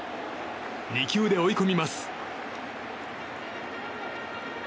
２球で追い込みます。